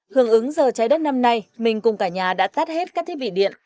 hưởng ứng giờ trái đất năm nay mình cùng cả nhà đã tắt hết các thiết bị điện